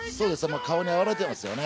顔に表れていますよね。